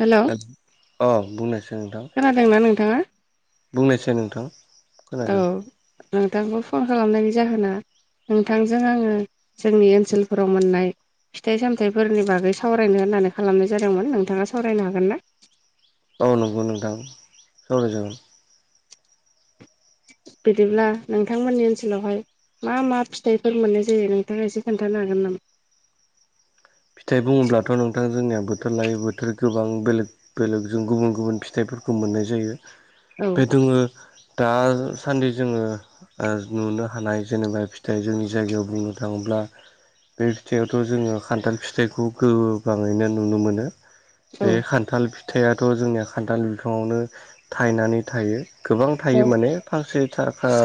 Hello hello औ बुंनोसै नोंथां खोनादोंना नोंथाङा बुंनायसै नोंथां औ खोनादों नोंथांखौ फन खालामनायनि जाहोना नोंथांजों आङो जोंनि ओनसोलफोराव मोननाय फिथाइ सामथाइफोरनि बागै सावरायनो होननानै खालामनाय जादोंमोन नोंथाङा सावरायनो हागोन ना औ नंगौ नोंथां सावरायजागोन बिदिब्ला नोंथांमोननि ओनसोलावहाय मा मा फिथाइफोर मोननाय जायो नोंथाङा एसे खोन्थानो हागोन नामा फिथाइ बुङोब्लाथ' नोंथां जोंनिया बोथोर लायै बोथोर गोबां बेलेग बेलेग जों गुबुन गुबुन फिथाइफोरखौ मोननाय जायो औ ओमफ्राय दोङो दासान्दि जोङो नुनो हानाय जेनेबा फिथाइ जोंनि जायगायाव बुंनो थाङोब्ला बे फिथायावथ' जोङो खान्थाल फिथाइखौ गोबाङैनो नुनो मोनो औ बेथ खान्थाल फिथाइआथ' जोंनिया खान्थाल बिफाङावनो थायनानै थायो गोबां औ थायो माने फांसे थाखा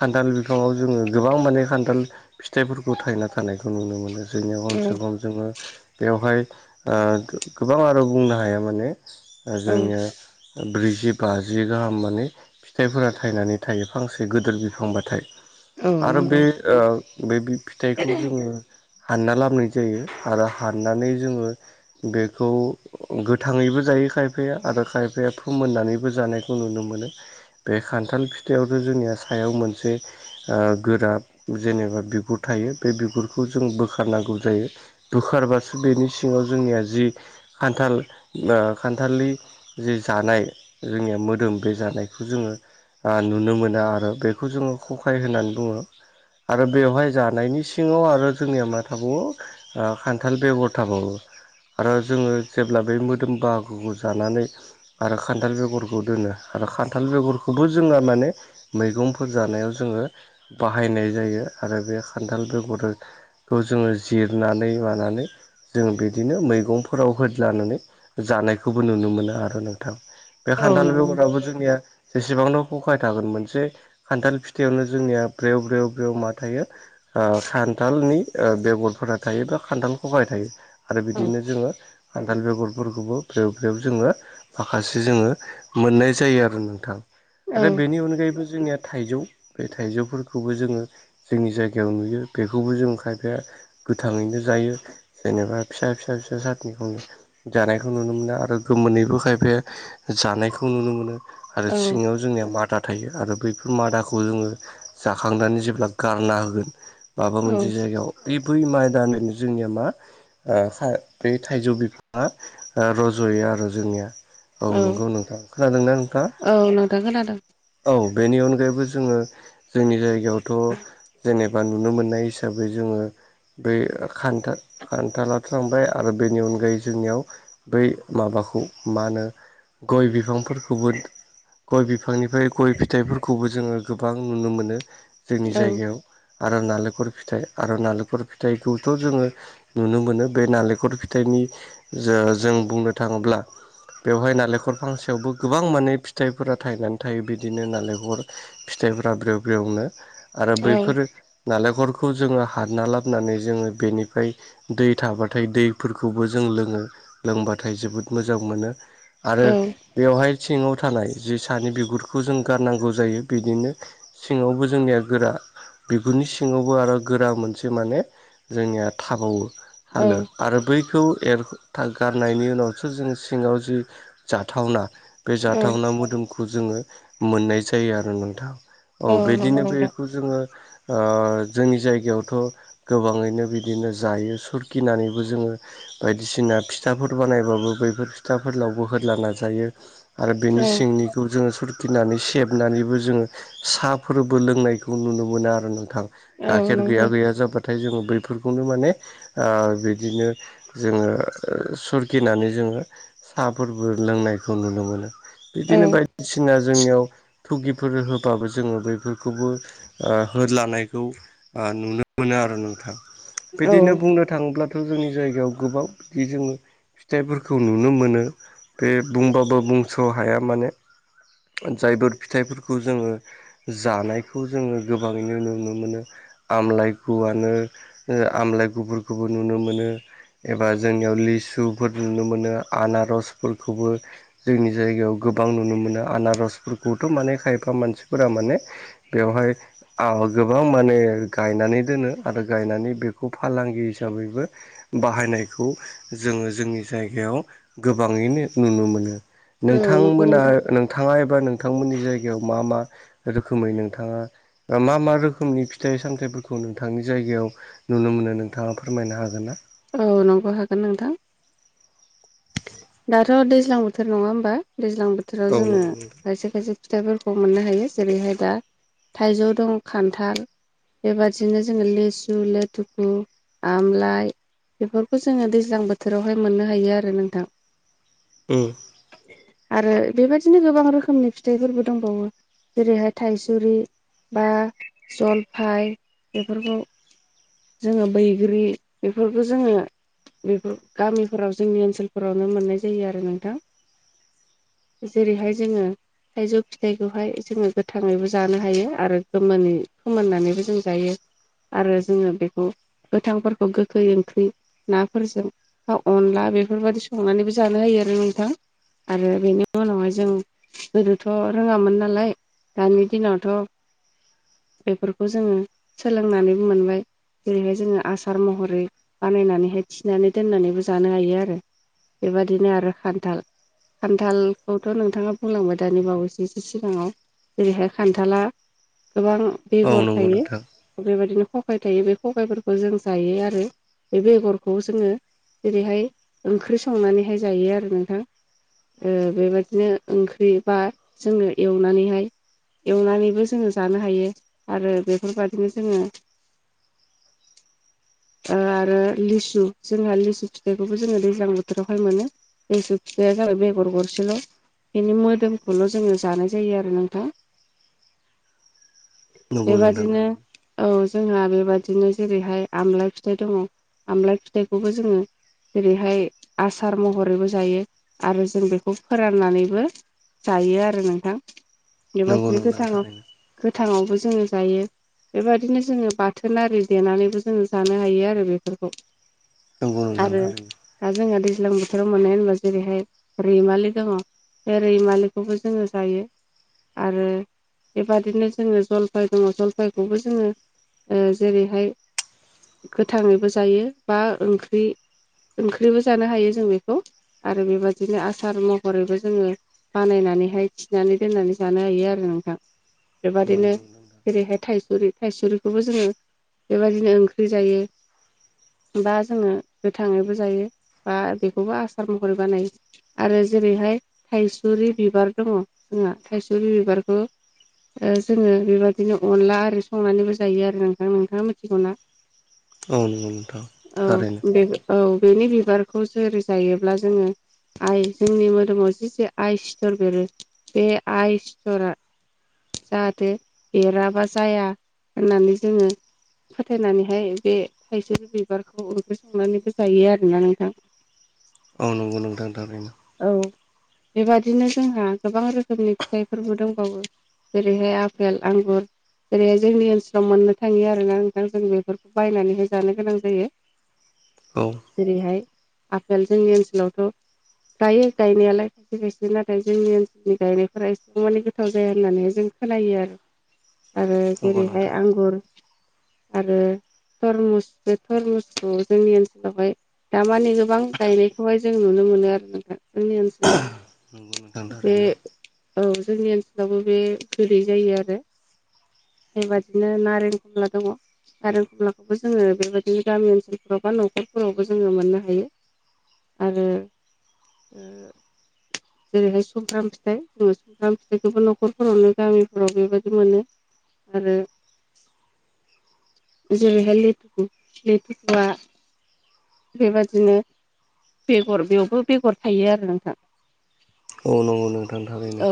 खान्थाल बिफाङाव जोङो गोबां माने खान्थाल फिथाइफोरखौ थायना थानायखौ नुनो मोनो जोंनिया खमसे औ खम जोङो बेवहाय गोबां आरो बुंनो हाया माने औ जोंनिया ब्रैजि बाजि गाहाम माने फिथाइफोरा थायनानै थायो फांसे गदोर बिफांबाथाय औ आरो नंगौ बे बे फिथाइखौ जोङो हानना लाबोनाय जायो आरो हाननानै जोङो बेखौ गोथाङैबो जायो खायफाया आरो खायफाया फोमोननानैबो जानायखौ नुनो मोनो बे खान्थाल फिथायावथ' जोंनिया सायाव मोनसे गोरा जेनेबा बिगुर थायो बे बिगुरखौ जों बोखारनांगौ जायो बुखारबासु बेनि सिङाव जोंनिया जि खान्थाल खान्थालि जे जानाय जोंनिया मोदोम बे जानायखौ जोङो नुनो मोनो आरो बेखौ जोङो खखाय होननानै बुङो आरो बेवहाय जानायनि सिङाव आरो जोंनिया मा थाबावो खान्थाल बेबहथाबावो आरो जोङो जेब्ला बे मोदोम बाहागोखौ जानानै आरो खान्थाल बेगरखौ दोनो आरो खान्थाल बेगरखौबो जोंहा माने मैगंफोर जानायाव जोङो बाहायनाय जायो आरो बे खान्थाल बेगरजों खौ जोङो जिरनानै मानानै जों बिदिनो मैगंफोराव होदलानानै जानायखौबो नुनो मोनो आरो नोंथां बे औ खान्थाल नंगौ नोंथां बेगराबो जोंनिया जेसेबांन' खखाय थागोन मोनसे खान्थाल फिथायावनो जोंनिया ब्रेव ब्रेव ब्रेव मा थायो खान्थालनि बेगरफोरा थायो बा खान्थाल खहबाय थायो आरो औ बिदिनो जोङो खान्थाल बेगरफोरखौबो फ्रेब फ्रेब जोङो माखासे जोङो मोननाय जायो आरो नोंथां औ आरो बेनि अनगायैबो जोंनिया थाइजौ बे थाइजौफोरखौबो जोङो जोंनि जायगायाव नुयो बेखौबो जों खायफाया गोथाङैनो जायो जेनेबा फिसा फिसा फिसा सारनिखौनो जानायखौ नुनो मोनो आरो गोमोनैबो खायफाया जानायखौ नुनो मोनो आरो औ सिङाव जोंनिया मादा थायो आरो बैफोर मादाखौ जोङो जाखांनानै जेब्ला गारना होगोन माबा औ मोनसे जायगायाव बे बुइ माइ दानरनो जोंनिया मा बे थाइजौ बिफाङा रज'यो आरो जोंनिया औ नंगौ नोंथां खोनादों ना नोंथाङा? औ नोंथां‌ खोनादों। औ बेनि अनगायैबो जोङो जोंनि जायगायावथ' जेनेबा बा नुनो मोननाय हिसाबै जोङो बै खान्था खान्थालाथ थांबाय आरो बेनि अनगायै जोंनियाव बै माबाखौ मा होनो गय बिफांफोरखौबो गय बिफांनिफ्राय गय फिथाइफोरखौबो जोङो गोबां नुनो मोनो। जोंनि औ जायगायाव आरो नालेंखर फिथाइ आरो नालेंखर फि फिथाइखौथ' जोङो नुनो मोनो बे नालेंखर फिथाइनि ज जों बुंनो थाङोब्ला बेवहाय नालेंखर फांसेयावबो गोबां माने फिथाइफोरा थायनानै थायो बिदिनो नालेंखर फिथाइफोरा ब्रेव ब्रेवनो आरो बैफोर नालेंखलखौ जोङो हारना ला नानै जोङो बेनिफ्राय दै थाबाथाय दैफोरखौबो जों लोङो लोंबाथाय जोबोद मोजां मोनो। आरो औ बेवहाय सिङाव थानाय जि सानि बिगुरखौ जों गारनांगौ जायो बिदिनो सिङावबो जोंनिया गोरा बिगुरनि सिङावबो आरो गोरा मोनसे जि माने जोंनिया थाबावो औ हालो आरो बैखौ एर गारनायनि उनावसो जोो सिङाव जि जाथावना बे औ जाथावना मोदोमखौ जोङो मोननाय जायो आरो नोंथां। औ नंगौ बिदिनो नोंथां बेखौ जोङो जोंनि जायगायावथ' गोबाङैनो बिदिनो जायो सोरगिनानैबो जोङो बायदिसिना फिथाफोर बानायबाबो बैफोर फिथाफोरलावबो हला नाजायो। आरो औ बेनि सिंनिखौ जोङो स गिनानै सेबनानैबो जोङो साहाफोरबो लोंनायखौ नुनो मोनो आरो नोंथां। औ गाइखेर नंगौ गैया गैया जाबाथाय जोङो बैफोरखौनो माने बिदिनो जोङो सोरगिनानै जोङो साहाफोरबो लोंनायखौ नुनो मोनो। औ बिदिनो बायदिसिना जोंनियाव थुगिफोर होबाबो जोङो बेफोरखौबो हो लानायखौ नुनो मोन मोनो आरो नोंथां औ बिदिनो बुंनो थाङोब्लाथ' जोंनि जायगायाव गोबाव बिदि जोङो फिथाइफोरखौ नुनो मोनो बे बुंबाबो बुंस' हाया माने जायफोर फिथाइफोरखौ जोङो जानायखौ जोङो गोबाङैनो नुनो मोनो आमलाइ गुवनो आमलााय गुुरखौबो नुनो मोनो। एबा जोंनियाव लिसुफोर नुनो मोनो आनारसफोरखौबो जोंनि जायगायाव गोबां नुनो मोनो आनारसफोरखौथ' माने खायफा मानसिफोरा माने बेवहाय गोबां माने गायनानै दोनो आरो गायनानै बेखौ फालांगि हिसाबैबो बाहायनायखौ जोङो जोंनि जायगायाव गोबाङैनो नुनो मोनो। नंगौ नोंथांमोना नोंथां नोंथाङा एबा नोंथांमोननि जायगायाव मा मा रोखोमै नोंथाङा मा मा रोखोमनि फिथाइ सामथाइ खौ नोंथांनि जायगायाव नुनो मोनो नोंथाङा फोरमायनो हागोन ना? औ नंबो हागोन नोंथां। दाथ' दैज्लां बोथोर नङा होमबा दैज्लां बोथोराव औ जोङो नंगौ नोंथां खायसे खायसे फिथाइफोरखौ मोननो हायो जेरैहाय दा थाइजौ दं खान्थाल बेबादिनो जोङो लिसु लेथुफु आमलाय बेफोरखौ जोङो दैज्लां बोथोरावहाय मोननो हायो आरो नोंथां। ओम। आरो बेबायदिनो गोबां रोखोमनि फिथाइफोरबो दंबावो जेरैहाय थाइसुरि बा जलफाय बेफोरखौ जोङो बैग्रि बेफोरखौ जोङो बेफोर गामिफोराव जोंनि ओनसोल फरावनो मोननाय जायो आरो नोंथां जेरैहाय जोङो थाइजौ फिथाइखौहाय जोङो गोथाङैबो जानो हायो आरो गोै फोमोननानैबो जों जायो आरो जोङो बेखौ गोथांफोरखौ गोखै ओंख्रि नाफोरजों बा अनला बेफोरबायाददि संनानैबो जानो हायो आरो नोंथां आरो बेनि उनावहाय जों गोदोथ' रोङामोन नालाय दानि दिनावथ' बेफोरखौ जोङो सोलोंनानै मोनबाय जेरैहाय जोङो आसार महरै बानायनानैहाय थिनानै दोननानैबो जानो हायो आरो बेबदिनो आरो खान्थाल खान्थालखौथ' नोंथाङा बुंलांबाय दानि बावैसो एसो सिगाङाव जेरैहाय खान्थाला गोबां उम औ बेगर नंगौ थायो बेबायदिनो खगाय थायो बे खगायफोरखौ जों जायो आरो बे बेगरखौ जोङो जेरैहाय ओंख्रि संनानैहाय जायो आरो नोंथां ओ बेबादिनो ओंख्रि बा जोंङो एवनानैहाय एवनानैबो जोङो जानो हायो आरो बेफोरबादिनो जोङो आरो लिसु जोंहा लिसु फिथाइखौबो जोङो दैज्लां बोथोर केटावहाय मोनो बे सिसु फिथाया जाबाय बेगर गरसेल' बेनि मोदोमखौल' जोङो जानाय जायो आरो नोंथां नोंथां बेबादिनो औ जोंहा बेबादिनो जेरैहाय आमलाय फिथाइ दङ आमलाय फिथाइखौबो जोङो जेरैहाय आसार महरैबो जायो आरो जों बेखौ फोराननानैबो जायो आरो नोंथां नंगौ बेबादिनो नोंथां गोथाङाव थारैनो गोथाङावबो जोङो जायो बेबायदिनो जोङो बाथोन आरि देनानैबो जोङो जानो हायो आरो बेफोरखौ नंगौ आरो नोंथां थारैनो दा जोहा दैज्लां बोथोराव मोननाय होनबा जेरैहाय रैमालि दङ बे रैमालिखौबो जोङो जायो आरो बेबादिनो जोङो जलफाय दङ जलफायखौबो जोङो जेरैहाय गोथाङैबो जायो बा ओंख्रि ओंख्रिबो जानो हायो जों बेखौ आरो बेबादिनो आसार महरैबो जोङो बानायनानैहाय थिनानै दोननानै जानो हायो आरो नोंथां नंगौ नोंथां थारैनो नंगौ बेबाददिनो नोंथां जेरैहाय थायसुरि थाइसुरिखौबो जोङो बेबायदिनो ओंख्रि जायो। बा जोङो गोथाङैबो जायो बा बेखौबो आसार महरै बानायो। आरो जेरैहाय थाइसुरि बिबार दङ जोंहा थाइसुरि बिबारखौ जोङो बेबाददिनो अनला आरि संनानैबो जायो आरो नोंथां नोंथाङा मिथिगौना औ नंगौ नोंथां औ थारैनो बे औ बेनि बिबारखौ सोर जायोब्ला जोङो आइ जोंनि मोदोमाव जे आइ सिथर बेरो बे आइ सिथरा जाहाथे एराबा जाया होननानै जोङो फोथायनानैहाय बे थाइसे बिबारखौ ओंख्रि संनानैबो जायो आरोना नोंथां औ नंगौ नोंथां थारैनो औ बेबादिनो जोंहा गोबां रोखोमनि फिथाइफोरबो दंबावो जेरैहाय आफेल आंगुर जेरैहाय जोंनि ओनसोलाव मोननो थाङियो आरोना नोंथां जों बेफोरखौ बायनानैहाय जानो गोनां जायो। [inaudible] औ जेरैहाय आफेल जोंनि ओनसोलावथ' गायो गायनायालाय खायसे खायसे नाथाय जोंनि ओनसोलनि गायनायफोरा एसेबां माने गोथाव जाया होननानैहाय जों सोलायो आरो आरो जेरैहाय आंगुर आरो थरमुस बे थरमुसखौ जोंनि ओनसोलावहाय दामाने गोबां गायनायखौहाय जों नुनो मोनो आरो नोंथां जोंनि ओनसोलाव बे औ जोंनि ओनसोलावबो बे जोरै जायो आरो बेबादिनो नारें खमला दङ खारें खमलाखौबो जोङो बेबायदिनो गामि ओनसोलफोराव बा न'खरफोरावबो जोङो मोननो हायो। आरो जेरैहाय सुमफ्राम फिथाइ जों सुमफ्राम फिथाइखौबो न'खरफोरावनो गामिफोराव बेबायदि मोनो आरो जेरैहाय लेथु लेथुआ बेबादिनो बेगर बेयावबो बेगर थायो आरो नोंथां औ नंगौ नोंथांनि थारैनो औ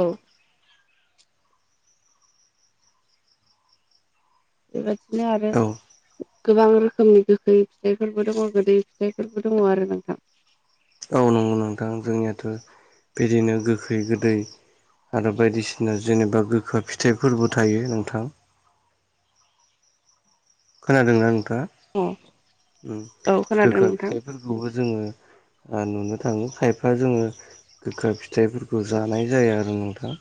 बेबायदिनो आरो औ गोबां रोखोमनि गोखै फिथाइफोरबो दङ गोदै फिथाइफोरबो दङ आरो नोंथां औ नंगौ नोंथां जोंनियाथ' बिदिनो गोखै गोदै आरो बायदिसिना जेनेबा गोखाो फिथाइफोरबो थायो नोंथां खोनादोंना नोंथाङा अ उम औ खोनादों गोखा नोंथां फिथाइफोरखौबो जोङो नुनो थाङो खायफा जोङो गोखा फिथाइफोरखौ जानाय जाया आरो नोंथाङा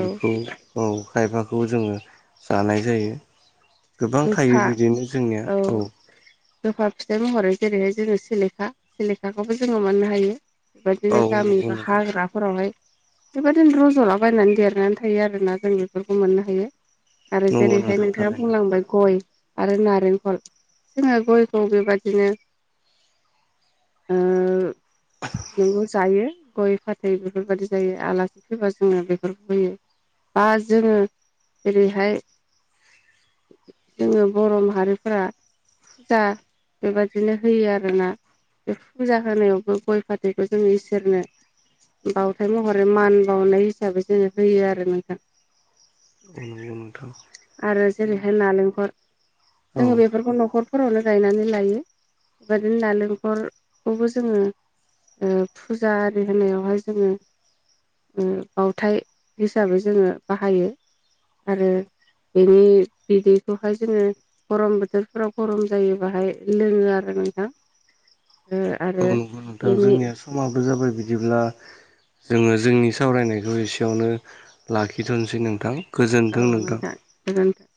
औ औ खायफाखौ जोङो जानाय जायो गोबां थायो गोखा बिदिनो जोंनिया औ गोखा फिथाइ महरै जेरैहाय जोङो सिलेखा सिलेखाखौबो जोङो मोननो हायो औ बदिनो नंगौ गामिनि नोंथां हाग्रा फोरावहाय बेबायदिनो रज'लाबायायनानै देरनानै थायो आरोना जों बेफोरखौ मोननो हायो आरो नंगौ जेरैहाय नोंथां नोंथाङा थारैनो बुंलांबाय गय आरो नारेंखल जोङो गयखौ बेबादिनो ओ नोंगौ जायो गय फाथै बेफोरबायदि जायो आलासि फैबा जोङो बेफोरखौ होयो। बा जोङो जेरैहाय जोङो बर' माहारिफोरा फुजा बेबायदिनो होयो आरोना बे फुजा होनायावबो गय फाथैखौ जों इसोरनो बावथाय महरै मान बावनाय हिसाबै जोङो होयो आरो नोंथां बेनो नोंथां नालेंखल औ जोङो बेफोरखौ न'खरफोरावनो गायनानै लायो बेबदिनो नारेंखरखौबो जोङो फुजा आरि होनायावहाय जोङो बावथाय हिसाबै जोङो बाहायो आरो बेनि बिदैखौहाय जोङो गरम बोथोरफोराव गरम जायो बाहाय लोङो आरो नोंथां औ आरो नंगौ नोंथां बेनि जोंनिया समाबो जाबाय बिदिब्ला जोङो जोंनि सावरायनायखौ एसेयावनो लाखिथ'सै नोंथां औ नोंथां गोजोनथों